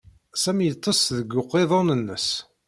Sami yeḍḍes deg uqiḍun-nnes.